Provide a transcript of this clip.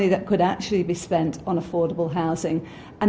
itu uang yang bisa diperlukan untuk pemerintahan yang berharga